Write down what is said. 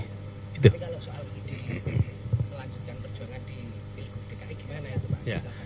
tapi kalau soal ide melanjutkan perjuangan di dki gimana ya